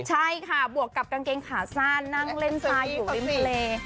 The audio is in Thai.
ใช่ค่ะบวกกับกางเกงขาสั้นนั่งเล่นซ้ายอยู่ริมทะเล